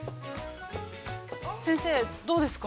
◆先生、どうですか？